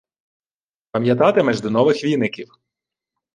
Пам’ятатимеш до нових віників.